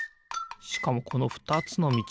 しかもこのふたつのみち